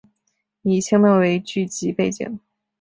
以清末为剧集背景。